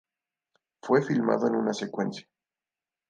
Fue filmado en una secuencia.